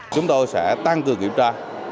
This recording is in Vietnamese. chúng tôi sẽ tăng cường kiểm tra